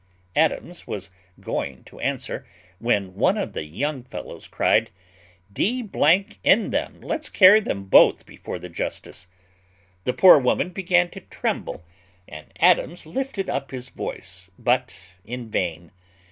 Adams was going to answer, when one of the young fellows cried, "D n them, let's carry them both before the justice." The poor woman began to tremble, and Adams lifted up his voice, but in vain.